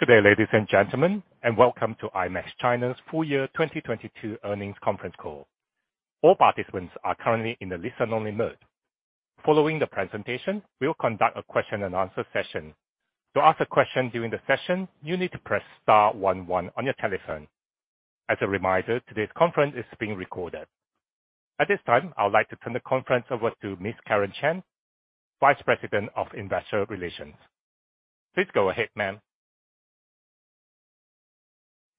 Good day, ladies and gentlemen, welcome to IMAX China's full year 2022 earnings conference call. All participants are currently in the listen-only mode. Following the presentation, we will conduct a question-and-answer session. To ask a question during the session, you need to press star 11 on your telephone. As a reminder, today's conference is being recorded. At this time, I would like to turn the conference over to Ms. Karen Chan, Vice President of Investor Relations. Please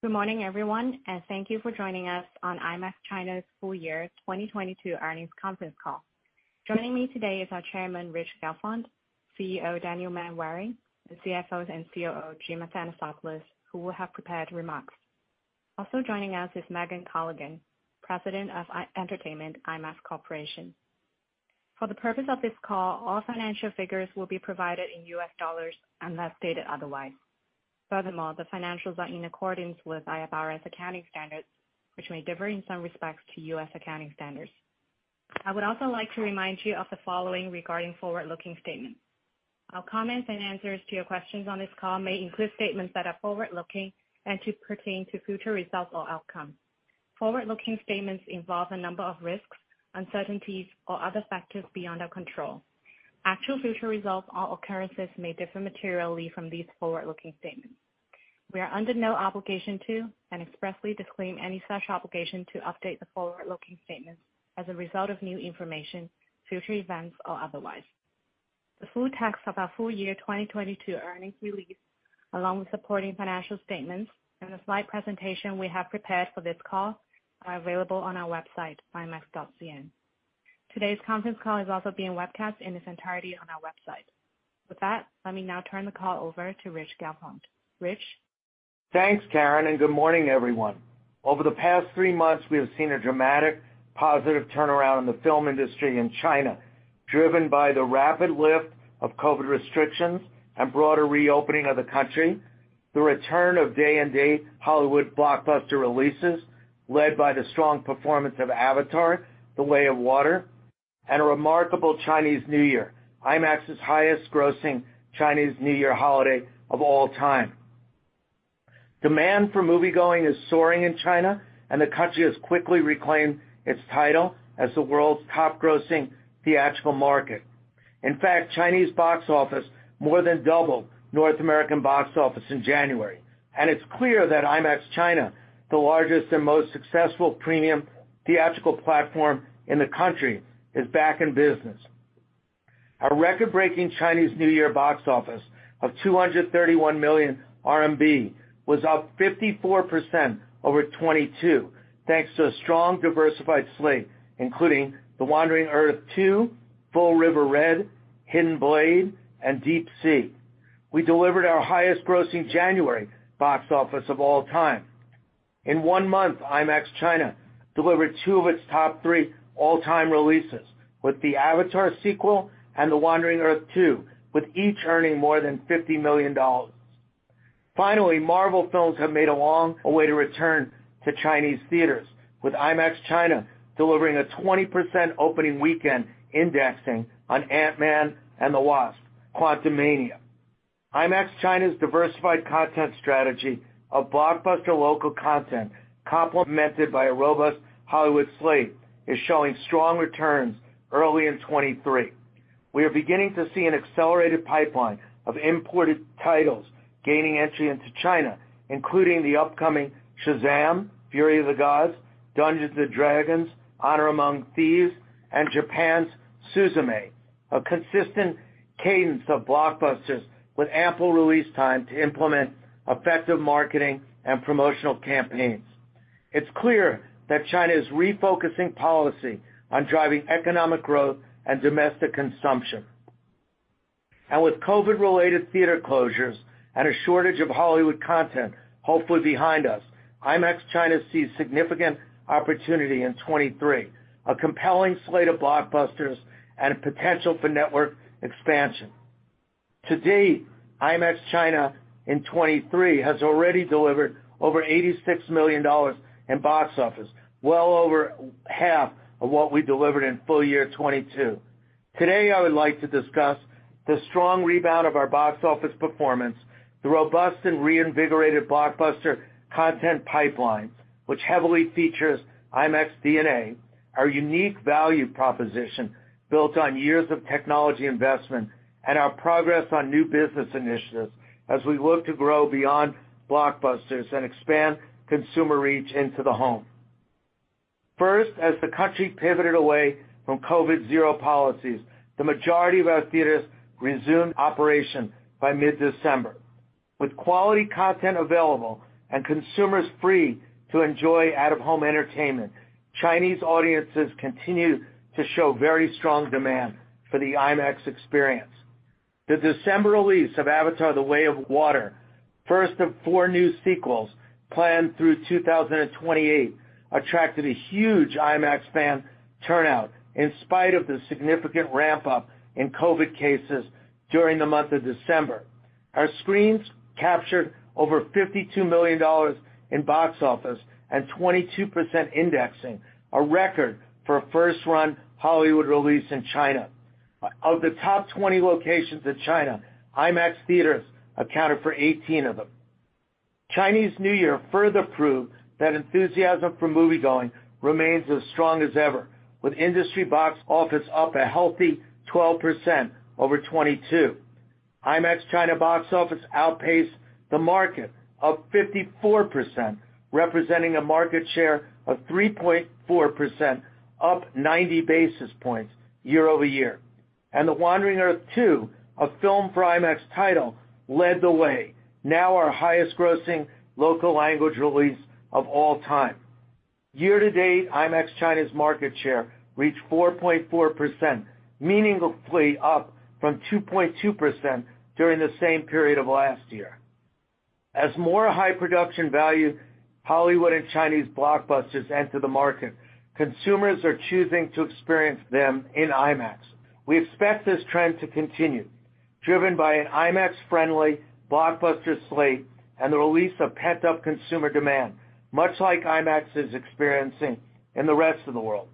go ahead, ma'am. Good morning, everyone, thank you for joining us on IMAX China's full year 2022 earnings conference call. Joining me today is our Chairman, Rich Gelfond, CEO Daniel Manwaring, CFO and COO, Jim Athanasopoulos, who will have prepared remarks. Also joining us is Megan Colligan, President of IMAX Entertainment, IMAX Corporation. For the purpose of this call, all financial figures will be provided in U.S. dollars unless stated otherwise. Furthermore, the financials are in accordance with IFRS accounting standards, which may differ in some respects to U.S. accounting standards. I would also like to remind you of the following regarding forward-looking statements. Our comments and answers to your questions on this call may include statements that are forward-looking and to pertain to future results or outcomes. Forward-looking statements involve a number of risks, uncertainties or other factors beyond our control. Actual future results or occurrences may differ materially from these forward-looking statements. We are under no obligation to and expressly disclaim any such obligation to update the forward-looking statements as a result of new information, future events, or otherwise. The full text of our full year 2022 earnings release, along with supporting financial statements and the slide presentation we have prepared for this call, are available on our website, imax.cn. Today's conference call is also being webcast in its entirety on our website. With that, let me now turn the call over to Rich Gelfond. Rich. Thanks, Karen, and good morning, everyone. Over the past three months, we have seen a dramatic positive turnaround in the film industry in China, driven by the rapid lift of COVID restrictions and broader reopening of the country, the return of day and date Hollywood blockbuster releases, led by the strong performance of Avatar: The Way of Water, and a remarkable Chinese New Year, IMAX's highest grossing Chinese New Year holiday of all time. Demand for moviegoing is soaring in China, and the country has quickly reclaimed its title as the world's top grossing theatrical market. In fact, Chinese box office more than doubled North American box office in January, and it's clear that IMAX China, the largest and most successful premium theatrical platform in the country, is back in business. Our record-breaking Chinese New Year box office of 231 million RMB was up 54% over 2022, thanks to a strong, diversified slate, including The Wandering Earth II, Full River Red, Hidden Blade, and Deep Sea. We delivered our highest grossing January box office of all time. In one month, IMAX China delivered two of its top three all-time releases with the Avatar sequel and The Wandering Earth II, with each earning more than $50 million. Finally, Marvel films have made a long way to return to Chinese theaters, with IMAX China delivering a 20% opening weekend indexing on Ant-Man and the Wasp: Quantumania. IMAX China's diversified content strategy of blockbuster local content, complemented by a robust Hollywood slate, is showing strong returns early in 2023. We are beginning to see an accelerated pipeline of imported titles gaining entry into China, including the upcoming Shazam! Fury of the Gods, Dungeons & Dragons: Honor Among Thieves, and Japan's Suzume, a consistent cadence of blockbusters with ample release time to implement effective marketing and promotional campaigns. It's clear that China is refocusing policy on driving economic growth and domestic consumption. With COVID-related theater closures and a shortage of Hollywood content hopefully behind us, IMAX China sees significant opportunity in 2023, a compelling slate of blockbusters and a potential for network expansion. To date, IMAX China in 2023 has already delivered over $86 million in box office, well over half of what we delivered in full year 2022. Today, I would like to discuss the strong rebound of our box office performance, the robust and reinvigorated blockbuster content pipeline, which heavily features IMAX DNA, our unique value proposition built on years of technology investment and our progress on new business initiatives as we look to grow beyond blockbusters and expand consumer reach into the home. First, as the country pivoted away from COVID zero policies, the majority of our theaters resumed operation by mid-December. With quality content available and consumers free to enjoy out-of-home entertainment, Chinese audiences continued to show very strong demand for the IMAX experience. The December release of Avatar: The Way of Water, first of four new sequels planned through 2028, attracted a huge IMAX fan turnout in spite of the significant ramp up in COVID cases during the month of December. Our screens captured over $52 million in box office and 22% indexing, a record for a first-run Hollywood release in China. Of the top 20 locations in China, IMAX theaters accounted for 18 of them. Chinese New Year further proved that enthusiasm for moviegoing remains as strong as ever, with industry box office up a healthy 12% over 2022. IMAX China box office outpaced the market, up 54%, representing a market share of 3.4%, up 90 basis points year-over-year. The Wandering Earth II, a Filmed for IMAX title, led the way, now our highest-grossing local language release of all time. Year-to-date, IMAX China's market share reached 4.4%, meaningfully up from 2.2% during the same period of last year. As more high production value Hollywood and Chinese blockbusters enter the market, consumers are choosing to experience them in IMAX. We expect this trend to continue, driven by an IMAX-friendly blockbuster slate and the release of pent-up consumer demand, much like IMAX is experiencing in the rest of the world.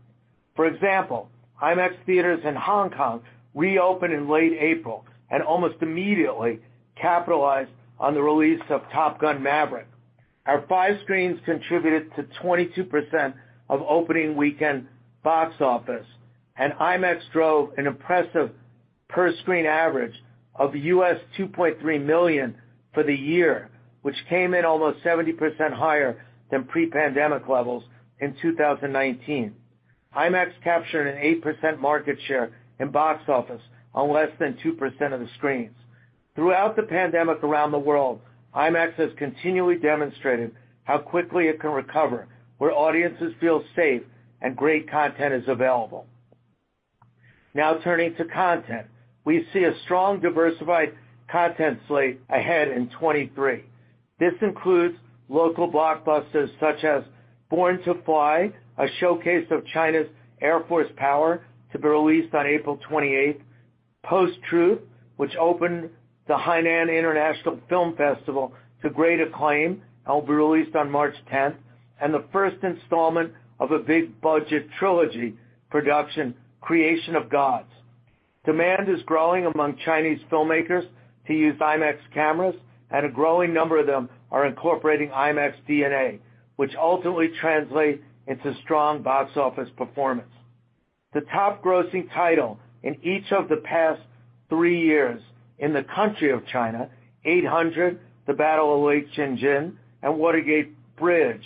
For example, IMAX theaters in Hong Kong reopened in late April and almost immediately capitalized on the release of Top Gun: Maverick. Our five screens contributed to 22% of opening weekend box office, and IMAX drove an impressive per-screen average of $2.3 million for the year, which came in almost 70% higher than pre-pandemic levels in 2019. IMAX captured an 8% market share in box office on less than 2% of the screens. Throughout the pandemic around the world, IMAX has continually demonstrated how quickly it can recover where audiences feel safe and great content is available. Turning to content. We see a strong, diversified content slate ahead in 2023. This includes local blockbusters such as Born to Fly, a showcase of China's Air Force power, to be released on April 28th. Post Truth, which opened the Hainan International Film Festival to great acclaim, and will be released on March 10th. The first installment of a big-budget trilogy production, Creation of the Gods. Demand is growing among Chinese filmmakers to use IMAX cameras, and a growing number of them are incorporating IMAX DNA, which ultimately translates into strong box office performance. The top-grossing title in each of the past three years in the country of China, The Eight Hundred, The Battle at Lake Changjin, and Water Gate Bridge,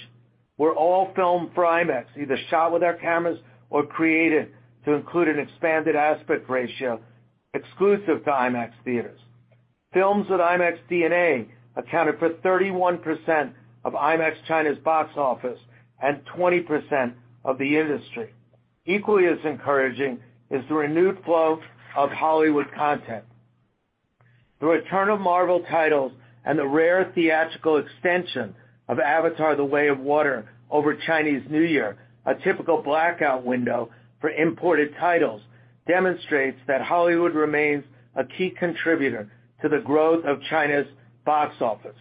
were all Filmed for IMAX, either shot with our cameras or created to include an expanded aspect ratio exclusive to IMAX theaters. Films with IMAX DNA accounted for 31% of IMAX China's box office and 20% of the industry. Equally as encouraging is the renewed flow of Hollywood content. The return of Marvel titles and the rare theatrical extension of Avatar: The Way of Water over Chinese New Year, a typical blackout window for imported titles, demonstrates that Hollywood remains a key contributor to the growth of China's box office.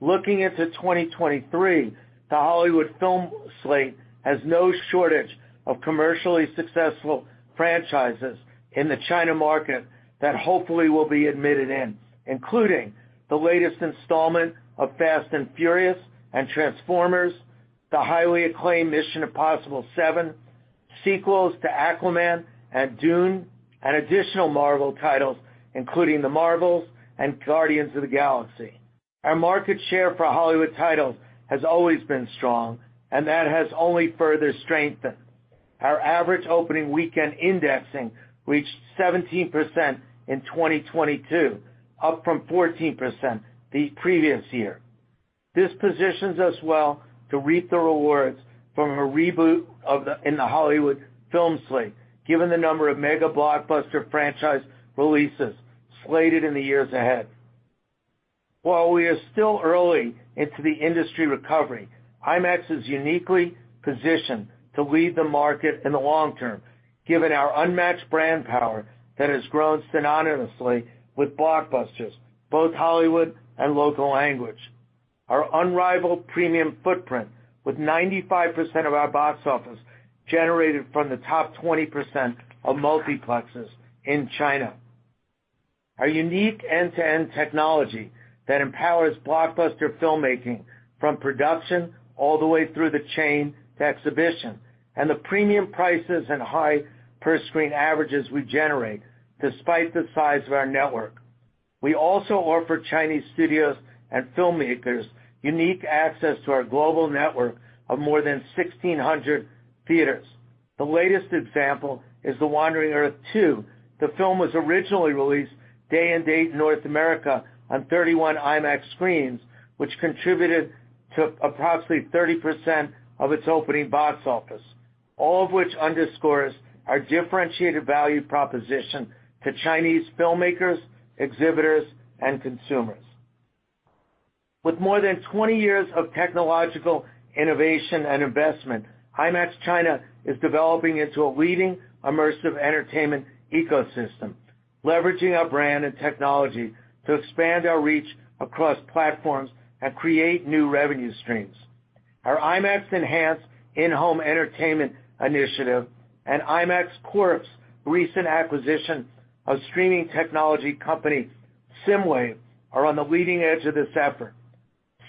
Looking into 2023, the Hollywood film slate has no shortage of commercially successful franchises in the China market that hopefully will be admitted in, including the latest installment of Fast & Furious and Transformers, the highly acclaimed Mission: Impossible 7, sequels to Aquaman and Dune, and additional Marvel titles, including The Marvels and Guardians of the Galaxy. Our market share for Hollywood titles has always been strong, and that has only further strengthened. Our average opening weekend indexing reached 17% in 2022, up from 14% the previous year. This positions us well to reap the rewards from a reboot in the Hollywood film slate, given the number of mega-blockbuster franchise releases slated in the years ahead. While we are still early into the industry recovery, IMAX is uniquely positioned to lead the market in the long term, given our unmatched brand power that has grown synonymously with blockbusters, both Hollywood and local language. Our unrivaled premium footprint, with 95% of our box office generated from the top 20% of multiplexes in China. Our unique end-to-end technology that empowers blockbuster filmmaking from production all the way through the chain to exhibition, and the premium prices and high per-screen averages we generate despite the size of our network. We also offer Chinese studios and filmmakers unique access to our global network of more than 1,600 theaters. The latest example is The Wandering Earth II. The film was originally released day-and-date in North America on 31 IMAX screens, which contributed to approximately 30% of its opening box office, all of which underscores our differentiated value proposition to Chinese filmmakers, exhibitors, and consumers. With more than 20 years of technological innovation and investment, IMAX China is developing into a leading immersive entertainment ecosystem, leveraging our brand and technology to expand our reach across platforms and create new revenue streams. Our IMAX Enhanced in-home entertainment initiative and IMAX Corp's recent acquisition of streaming technology company SSIMWAVE are on the leading edge of this effort.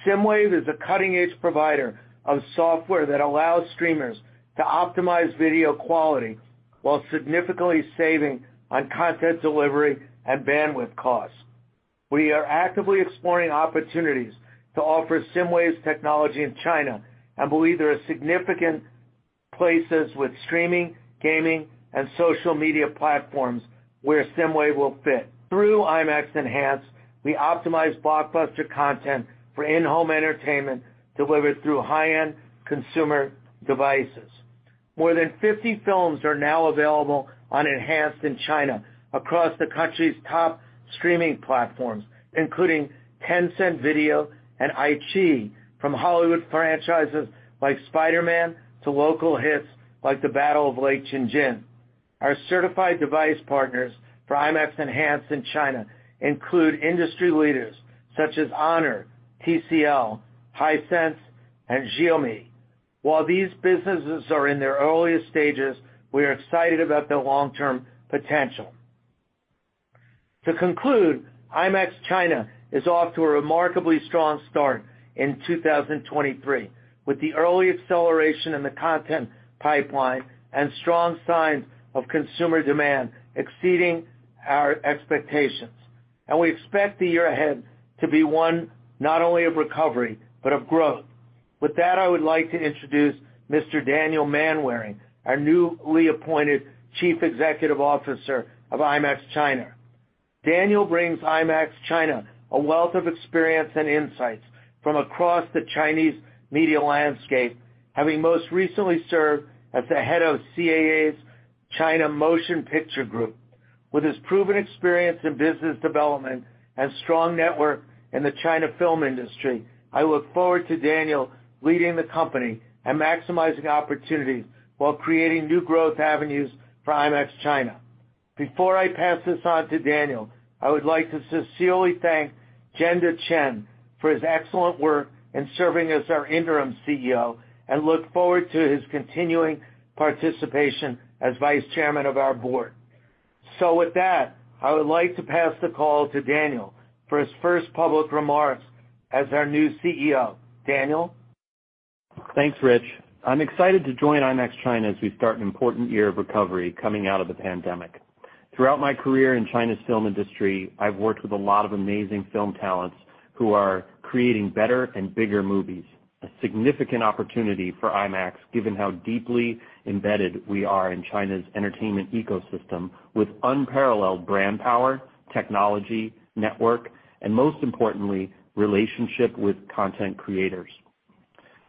SSIMWAVE is a cutting-edge provider of software that allows streamers to optimize video quality while significantly saving on content delivery and bandwidth costs. We are actively exploring opportunities to offer SSIMWAVE's technology in China and believe there are significant places with streaming, gaming, and social media platforms where SSIMWAVE will fit. Through IMAX Enhanced, we optimize blockbuster content for in-home entertainment delivered through high-end consumer devices. More than 50 films are now available on Enhanced in China across the country's top streaming platforms, including Tencent Video and iQIYI, from Hollywood franchises like Spider-Man to local hits like The Battle at Lake Changjin. Our certified device partners for IMAX Enhanced in China include industry leaders such as Honor, TCL, Hisense, and Xiaomi. While these businesses are in their earliest stages, we are excited about their long-term potential. To conclude, IMAX China is off to a remarkably strong start in 2023, with the early acceleration in the content pipeline and strong signs of consumer demand exceeding our expectations. We expect the year ahead to be one not only of recovery, but of growth. With that, I would like to introduce Mr. Daniel Manwaring, our newly appointed Chief Executive Officer of IMAX China. Daniel brings IMAX China a wealth of experience and insights from across the Chinese media landscape, having most recently served as the head of CAA's China Motion Picture group. With his proven experience in business development and strong network in the China film industry, I look forward to Daniel leading the company and maximizing opportunities while creating new growth avenues for IMAX China. Before I pass this on to Daniel, I would like to sincerely thank Jiande Chen for his excellent work in serving as our interim CEO and look forward to his continuing participation as vice chairman of our board. With that, I would like to pass the call to Daniel for his first public remarks as our new CEO. Daniel. Thanks, Rich. I'm excited to join IMAX China as we start an important year of recovery coming out of the pandemic. Throughout my career in China's film industry, I've worked with a lot of amazing film talents who are creating better and bigger movies, a significant opportunity for IMAX, given how deeply embedded we are in China's entertainment ecosystem with unparalleled brand power, technology, network, and most importantly, relationship with content creators.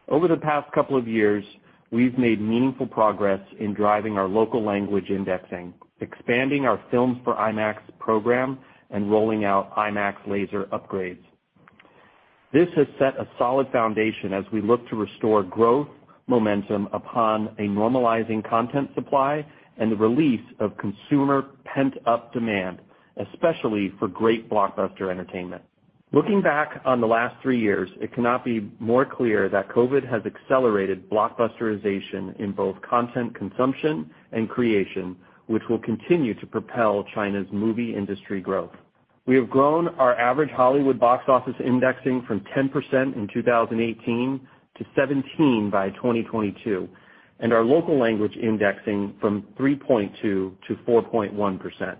Over the past couple of years, we've made meaningful progress in driving our local language indexing, expanding our Filmed for IMAX program, and rolling out IMAX laser upgrades. This has set a solid foundation as we look to restore growth momentum upon a normalizing content supply and the release of consumer pent-up demand, especially for great blockbuster entertainment. Looking back on the last three years, it cannot be more clear that COVID has accelerated blockbusterization in both content consumption and creation, which will continue to propel China's movie industry growth. We have grown our average Hollywood box office indexing from 10% in 2018 to 17% by 2022, and our local language indexing from 3.2% to 4.1%.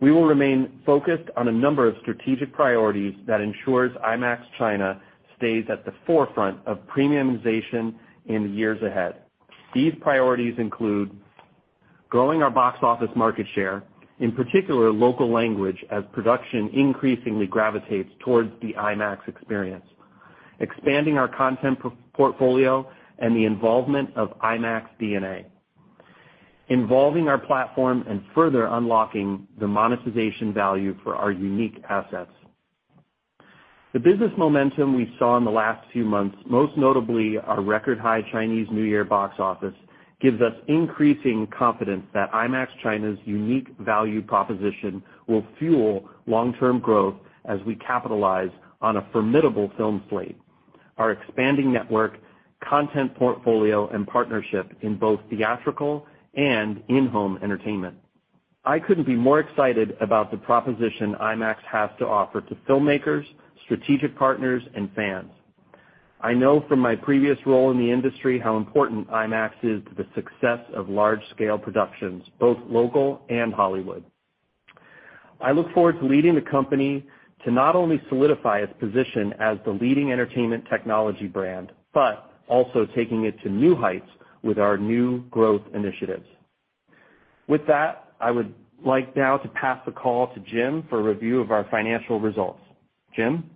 We will remain focused on a number of strategic priorities that ensures IMAX China stays at the forefront of premiumization in the years ahead. These priorities include growing our box office market share, in particular, local language, as production increasingly gravitates towards the IMAX experience, expanding our content portfolio and the involvement of IMAX DNA, involving our platform and further unlocking the monetization value for our unique assets. The business momentum we saw in the last few months, most notably our record-high Chinese New Year box office, gives us increasing confidence that IMAX China's unique value proposition will fuel long-term growth as we capitalize on a formidable film slate, our expanding network, content portfolio, and partnership in both theatrical and in-home entertainment. I couldn't be more excited about the proposition IMAX has to offer to filmmakers, strategic partners, and fans. I know from my previous role in the industry how important IMAX is to the success of large-scale productions, both local and Hollywood. I look forward to leading the company to not only solidify its position as the leading entertainment technology brand, but also taking it to new heights with our new growth initiatives. With that, I would like now to pass the call to Jim for a review of our financial results. Jim.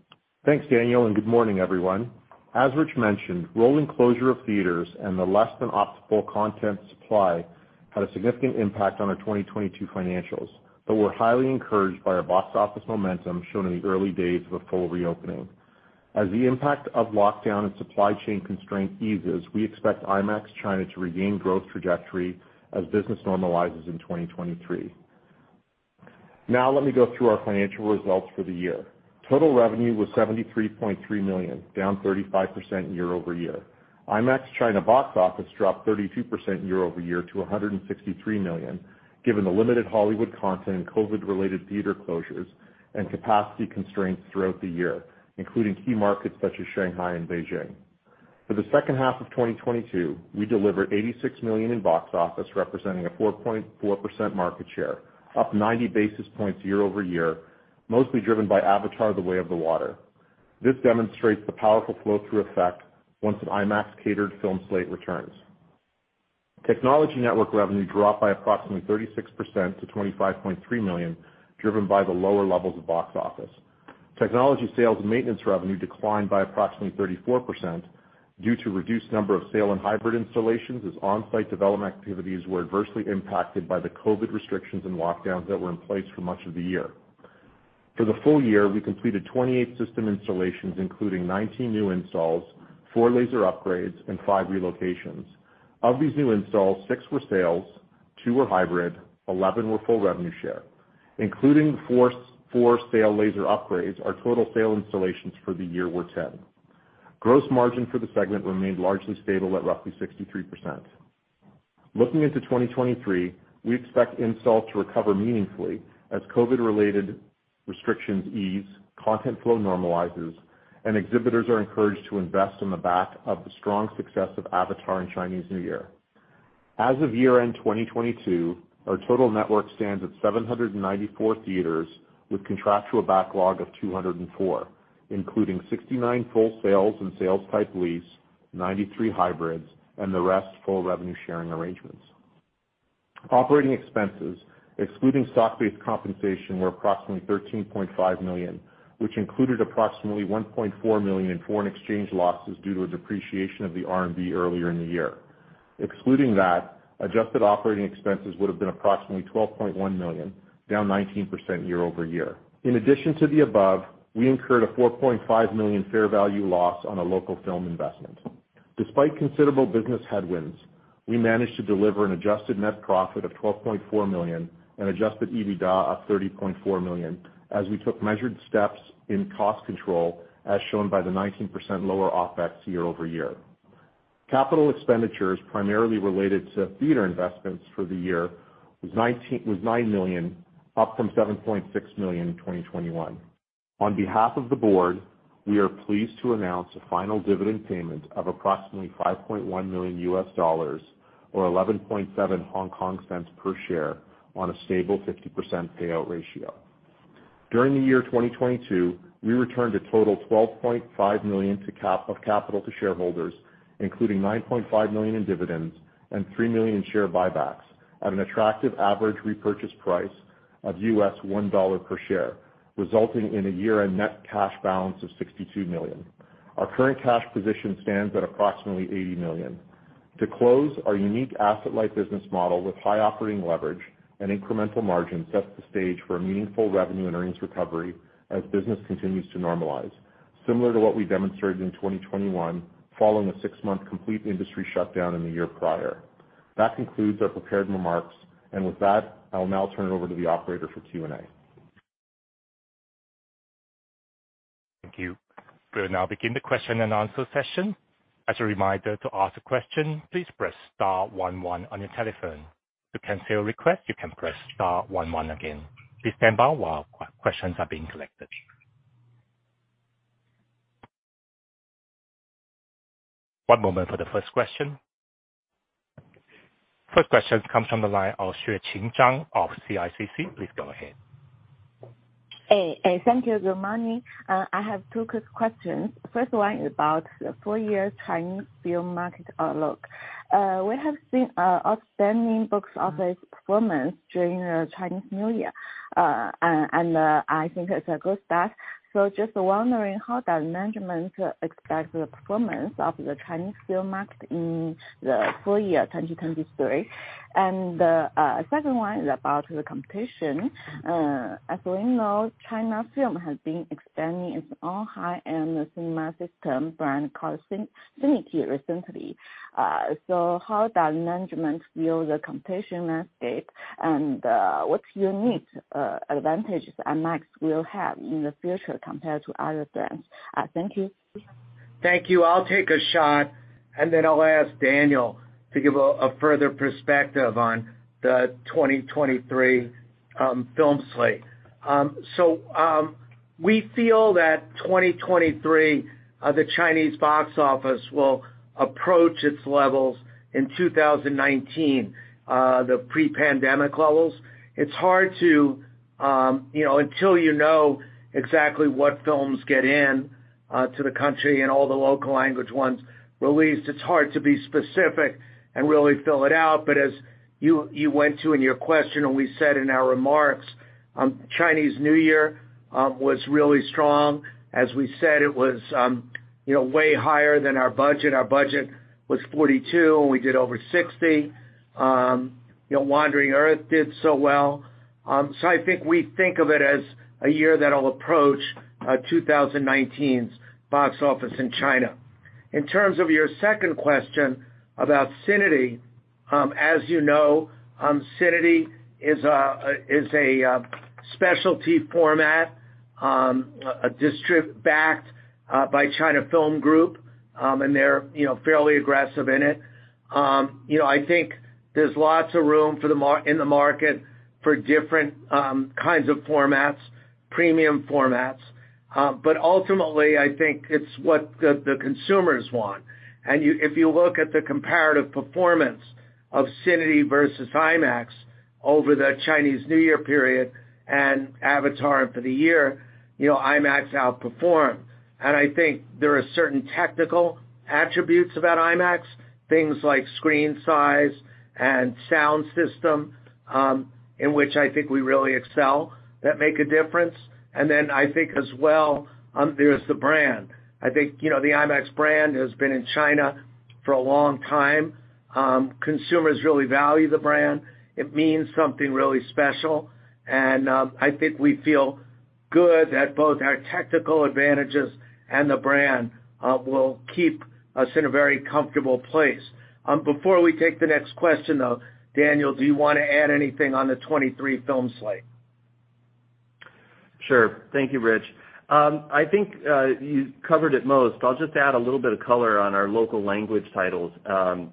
Thanks, Daniel. Good morning, everyone. As Rich mentioned, rolling closure of theaters and the less-than-optimal content supply had a significant impact on our 2022 financials. We're highly encouraged by our box office momentum shown in the early days of a full reopening. As the impact of lockdown and supply chain constraint eases, we expect IMAX China to regain growth trajectory as business normalizes in 2023. Now let me go through our financial results for the year. Total revenue was $73.3 million, down 35% year-over-year. IMAX China box office dropped 32% year-over-year to $163 million, given the limited Hollywood content and COVID-related theater closures and capacity constraints throughout the year, including key markets such as Shanghai and Beijing. For the second half of 2022, we delivered $86 million in box office, representing a 4.4% market share, up 90 basis points year-over-year, mostly driven by Avatar: The Way of Water. This demonstrates the powerful flow-through effect once an IMAX-catered film slate returns. Technology network revenue dropped by approximately 36% to $25.3 million, driven by the lower levels of box office. Technology sales and maintenance revenue declined by approximately 34% due to reduced number of sale and hybrid installations, as on-site development activities were adversely impacted by the COVID restrictions and lockdowns that were in place for much of the year. For the full year, we completed 28 system installations, including 19 new installs, four laser upgrades, and five relocations. Of these new installs, six were sales, two were hybrid, 11 were full revenue share. Including the four sale laser upgrades, our total sale installations for the year were 10. Gross margin for the segment remained largely stable at roughly 63%. Looking into 2023, we expect installs to recover meaningfully as COVID-related restrictions ease, content flow normalizes, and exhibitors are encouraged to invest on the back of the strong success of Avatar in Chinese New Year. As of year-end 2022, our total network stands at 794 theaters, with contractual backlog of 204, including 69 full sales and sales type lease, 93 hybrids, and the rest full revenue sharing arrangements. Operating expenses, excluding stock-based compensation, were approximately $13.5 million, which included approximately $1.4 million in foreign exchange losses due to a depreciation of the RMB earlier in the year. Excluding that, adjusted operating expenses would have been approximately $12.1 million, down 19% year-over-year. In addition to the above, we incurred a $4.5 million fair value loss on a local film investment. Despite considerable business headwinds, we managed to deliver an adjusted net profit of $12.4 million and adjusted EBITDA of $30.4 million as we took measured steps in cost control as shown by the 19% lower OpEx year-over-year. Capital expenditures primarily related to theater investments for the year was $9 million, up from $7.6 million in 2021. On behalf of the Board, we are pleased to announce a final dividend payment of approximately $5.1 million or 0.117 per share on a stable 50% payout ratio. During the year 2022, we returned a total $12.5 million of capital to shareholders, including $9.5 million in dividends and $3 million share buybacks at an attractive average repurchase price of $1 per share, resulting in a year-end net cash balance of $62 million. Our current cash position stands at approximately $80 million. To close, our unique asset-light business model with high operating leverage and incremental margin sets the stage for a meaningful revenue and earnings recovery as business continues to normalize, similar to what we demonstrated in 2021 following a six-month complete industry shutdown in the year prior. That concludes our prepared remarks. With that, I will now turn it over to the operator for Q&A. Thank you. We'll now begin the question-and-answer session. As a reminder, to ask a question, please press star 11 on your telephone. To cancel your request, you can press star one one again. Please stand by while questions are being collected. One moment for the first question. First question comes from the line of Xueqing Zhang of CICC. Please go ahead. Thank you. Good morning. I have two quick questions. First one is about the full year Chinese film market outlook. We have seen outstanding box office performance during the Chinese New Year. I think it's a good start. Just wondering how does management expect the performance of the Chinese film market in the full year 2023? Second one is about the competition. As we know, China Film has been expanding its own high-end cinema system brand called CINITY recently. How does management view the competition landscape and what unique advantages IMAX will have in the future compared to other brands? Thank you. Thank you. I'll take a shot, and then I'll ask Daniel to give a further perspective on the 2023 film slate. We feel that 2023 the Chinese box office will approach its levels in 2019, the pre-pandemic levels. It's hard to, you know, until you know exactly what films get in to the country and all the local language ones released, it's hard to be specific and really fill it out. As you went to in your question and we said in our remarks, Chinese New Year was really strong. As we said, it was, you know, way higher than our budget. Our budget was 42, and we did over 60. You know, Wandering Earth did so well. I think we think of it as a year that'll approach 2019's box office in China. In terms of your second question about CINITY, as you know, CINITY is a specialty format, distrib-backed by China Film Group, and they're, you know, fairly aggressive in it. You know, I think there's lots of room in the market for different kinds of formats, premium formats. Ultimately, I think it's what the consumers want. If you look at the comparative performance of CINITY versus IMAX over the Chinese New Year period and Avatar for the year, you know, IMAX outperformed. I think there are certain technical attributes about IMAX, things like screen size and sound system, in which I think we really excel that make a difference. I think as well, there's the brand. I think, you know, the IMAX brand has been in China for a long time. Consumers really value the brand. It means something really special. I think we feel good that both our technical advantages and the brand will keep us in a very comfortable place. Before we take the next question, though, Daniel, do you wanna add anything on the 2023 film slate? Sure. Thank you, Rich. I think you covered it most. I'll just add a little bit of color on our local language titles.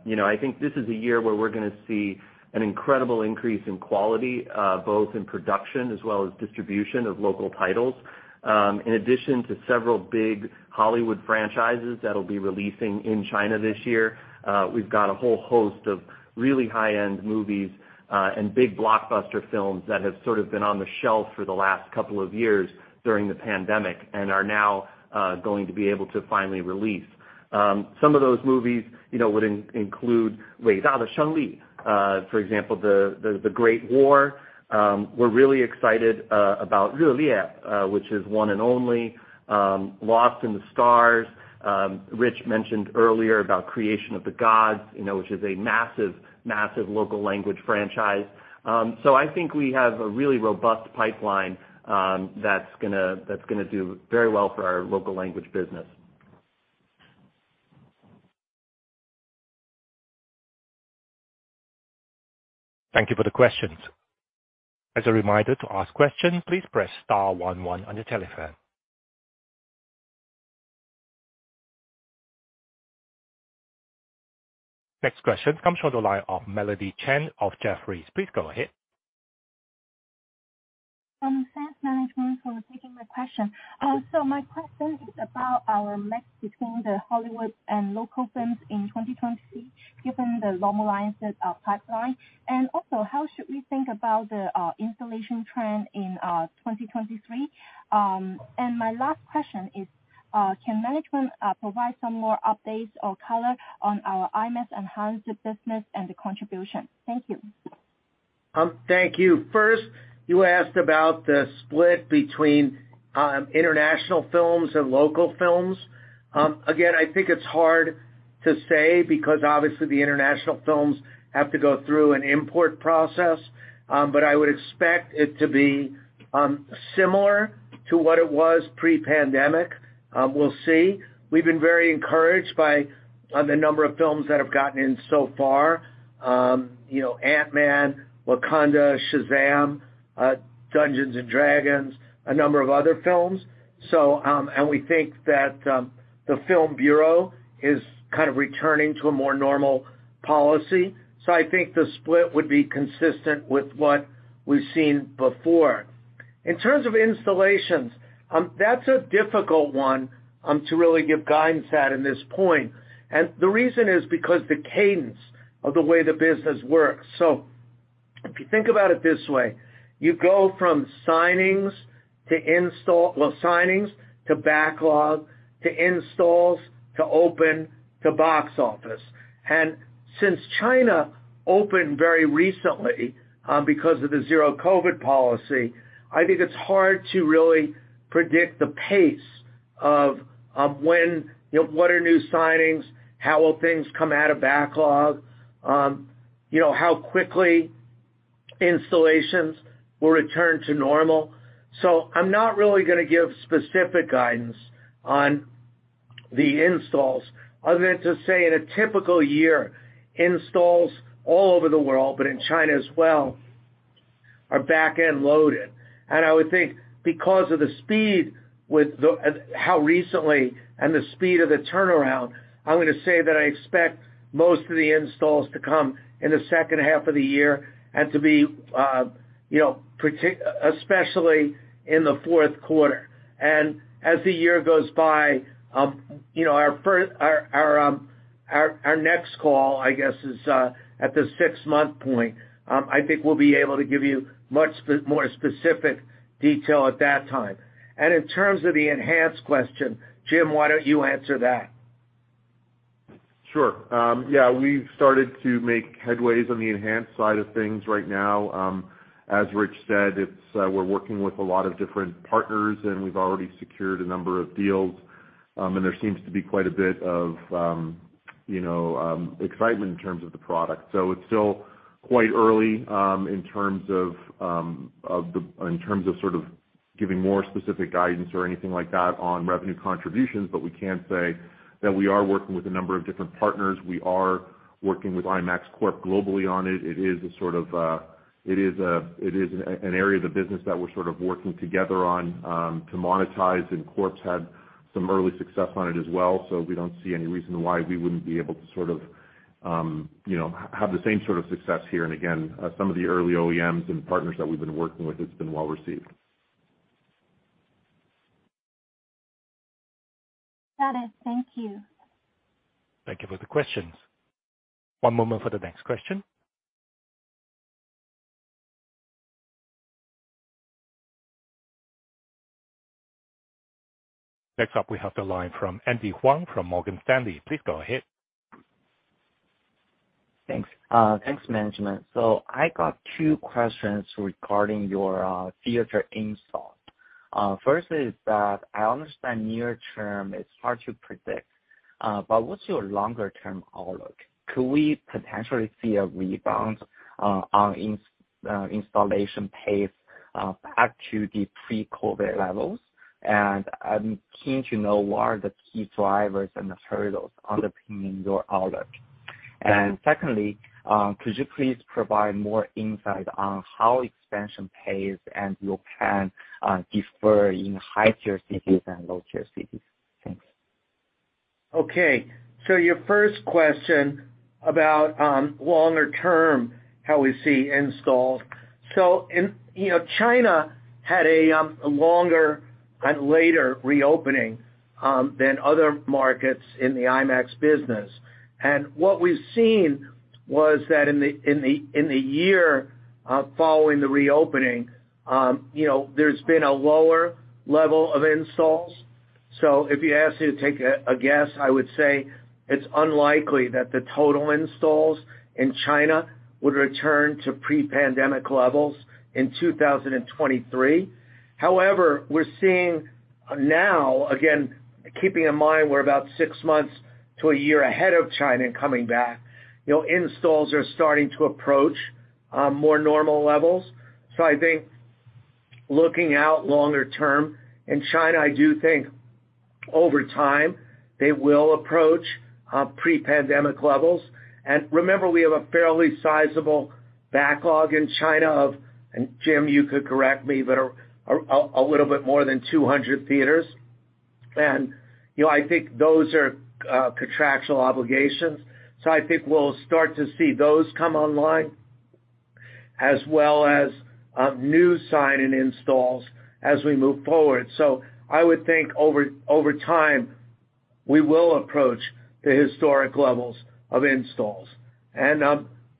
You know, I think this is a year where we're gonna see an incredible increase in quality, both in production as well as distribution of local titles. In addition to several big Hollywood franchises that'll be releasing in China this year, we've got a whole host of really high-end movies, and big blockbuster films that have sort of been on the shelf for the last couple of years during the pandemic and are now going to be able to finally release. Some of those movies, you know, would include, for example, The Great War. We're really excited about which is One and Only, Lost in the Stars. Rich mentioned earlier about Creation of the Gods, you know, which is a massive local language franchise. I think we have a really robust pipeline, that's gonna do very well for our local language business. Thank you for the questions. As a reminder to ask question, please press star one one on your telephone. Next question comes from the line of Melody Chan of Jefferies. Please go ahead. Thanks management for taking my question. My question is about our mix between the Hollywood and local films in 2023, given the normalized pipeline. How should we think about the installation trend in 2023? My last question is, can management provide some more updates or color on our IMAX Enhanced business and the contribution? Thank you. Thank you. First, you asked about the split between international films and local films. Again, I think it's hard to say because obviously the international films have to go through an import process. I would expect it to be similar to what it was pre-pandemic. We'll see. We've been very encouraged by the number of films that have gotten in so far, you know, Ant-Man, Wakanda, Shazam, Dungeons & Dragons, a number of other films. We think that the Film Bureau is kind of returning to a more normal policy. I think the split would be consistent with what we've seen before. In terms of installations, that's a difficult one to really give guidance at in this point. The reason is because the cadence of the way the business works. If you think about it this way, you go from signings to well, signings to backlog to installs to open to box office. Since China opened very recently, because of the zero COVID policy, I think it's hard to really predict the pace of, when, you know, what are new signings? How will things come out of backlog? You know, how quickly installations will return to normal. I'm not really gonna give specific guidance on the installs other than to say in a typical year, installs all over the world, but in China as well, are back-end loaded. I would think because of the speed with how recently and the speed of the turnaround, I'm gonna say that I expect most of the installs to come in the second half of the year and to be, you know, especially in the fourth quarter. As the year goes by, you know, our next call, I guess, is at the six-month point, I think we'll be able to give you much more specific detail at that time. In terms of the enhanced question, Jim, why don't you answer that? Sure. Yeah, we've started to make headways on the IMAX Enhanced side of things right now. As Rich said, it's, we're working with a lot of different partners. We've already secured a number of deals. There seems to be quite a bit of, you know, excitement in terms of the product. It's still quite early, in terms of giving more specific guidance or anything like that on revenue contributions, but we can say that we are working with a number of different partners. We are working with IMAX Corp globally on it. It is a sort of, it is, it is an area of the business that we're sort of working together on to monetize. IMAX Corp's had some early success on it as well. We don't see any reason why we wouldn't be able to sort of, you know, have the same sort of success here. Again, some of the early OEMs and partners that we've been working with, it's been well-received. That is. Thank you. Thank you for the questions. One moment for the next question. Next up, we have the line from Andy Huang from Morgan Stanley. Please go ahead. Thanks. Thanks, management. I got two questions regarding your theater install. First is that I understand near term it's hard to predict, but what's your longer-term outlook? Could we potentially see a rebound on installation pace back to the pre-COVID levels? I'm keen to know what are the key drivers and the hurdles underpinning your outlook. Secondly, could you please provide more insight on how expansion pace and your plan differ in high-tier cities and low-tier cities? Thanks. Okay. Your first question about longer term, how we see installs. You know, China had a longer and later reopening than other markets in the IMAX business. What we've seen was that in the year following the reopening, you know, there's been a lower level of installs. If you ask me to take a guess, I would say it's unlikely that the total installs in China would return to pre-pandemic levels in 2023. However, we're seeing now, again, keeping in mind we're about six months to 1 year ahead of China in coming back, you know, installs are starting to approach more normal levels. I think looking out longer term, in China, I do think over time, they will approach pre-pandemic levels. Remember, we have a fairly sizable backlog in China of, Jim, you could correct me, but a little bit more than 200 theaters. You know, I think those are contractual obligations. I think we'll start to see those come online, as well as new sign-in installs as we move forward. I would think over time, we will approach the historic levels of installs.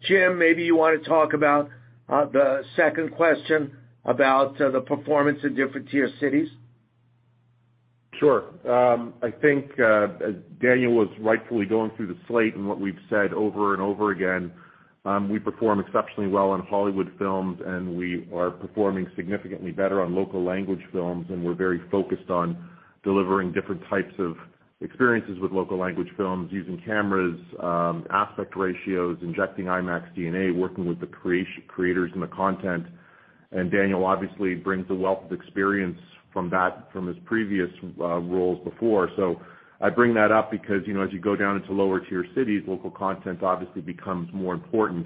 Jim, maybe you wanna talk about the second question about the performance in different tier cities. Sure. I think Daniel was rightfully going through the slate and what we've said over and over again. We perform exceptionally well in Hollywood films, and we are performing significantly better on local language films, and we're very focused on delivering different types of experiences with local language films using cameras, aspect ratios, injecting IMAX DNA, working with the creators and the content. Daniel obviously brings a wealth of experience from his previous roles before. I bring that up because, you know, as you go down into lower tier cities, local content obviously becomes more important,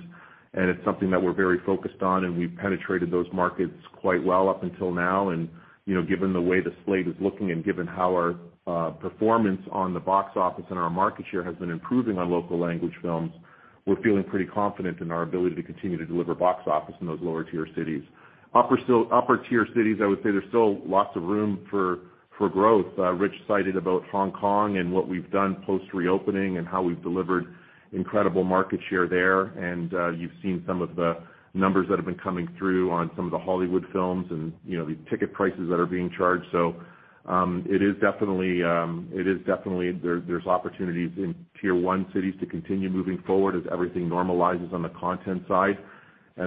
and it's something that we're very focused on, and we've penetrated those markets quite well up until now. You know, given the way the slate is looking and given how our performance on the box office and our market share has been improving on local language films, we're feeling pretty confident in our ability to continue to deliver box office in those lower tier cities. Upper tier cities, I would say there's still lots of room for growth. Rich cited about Hong Kong and what we've done post-reopening and how we've delivered incredible market share there. You've seen some of the numbers that have been coming through on some of the Hollywood films and, you know, the ticket prices that are being charged. It is definitely there's opportunities in tier one cities to continue moving forward as everything normalizes on the content side.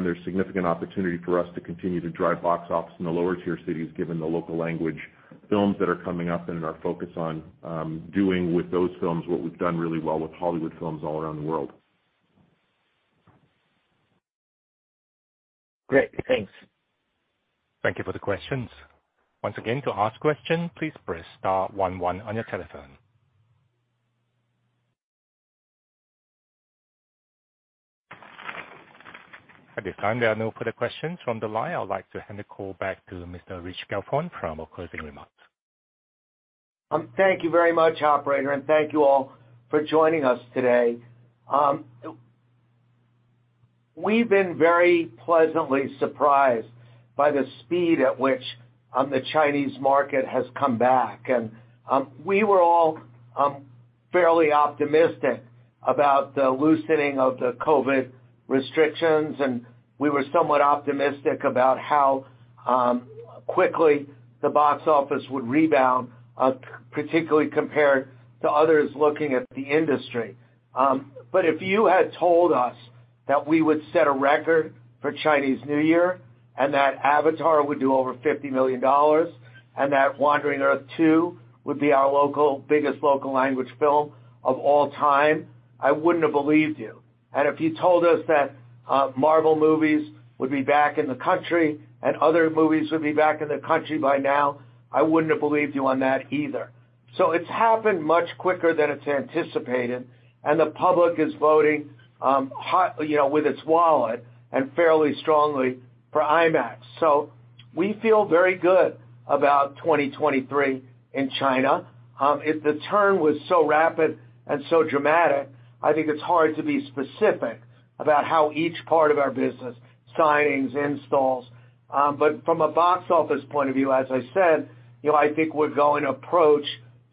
There's significant opportunity for us to continue to drive box office in the lower tier cities given the local language films that are coming up and in our focus on, doing with those films what we've done really well with Hollywood films all around the world. Great. Thanks. Thank you for the questions. Once again, to ask question, please press star one one on your telephone. At this time, there are no further questions from the line. I would like to hand the call back to Mr. Rich Gelfond for our closing remarks. Thank you very much, operator, and thank you all for joining us today. We've been very pleasantly surprised by the speed at which the Chinese market has come back. We were all fairly optimistic about the loosening of the COVID restrictions, and we were somewhat optimistic about how quickly the box office would rebound, particularly compared to others looking at the industry. If you had told us that we would set a record for Chinese New Year and that Avatar would do over $50 million and that The Wandering Earth II would be our biggest local language film of all time, I wouldn't have believed you. If you told us that, Marvel movies would be back in the country and other movies would be back in the country by now, I wouldn't have believed you on that either. It's happened much quicker than it's anticipated, and the public is voting, you know, with its wallet and fairly strongly for IMAX. We feel very good about 2023 in China. If the turn was so rapid and so dramatic, I think it's hard to be specific about how each part of our business, signings, installs, but from a box office point of view, as I said, you know, I think we're going to approach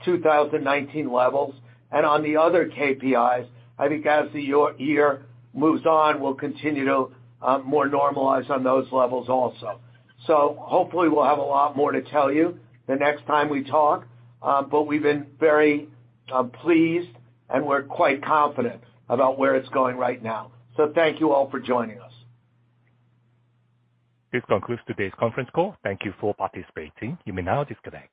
2019 levels. On the other KPIs, I think as the year moves on, we'll continue to more normalize on those levels also. Hopefully we'll have a lot more to tell you the next time we talk. We've been very pleased, and we're quite confident about where it's going right now. Thank you all for joining us. This concludes today's conference call. Thank you for participating. You may now disconnect.